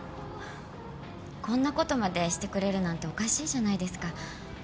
こんな事までしてくれるなんておかしいじゃないですか。